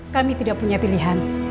kami tidak punya pilihan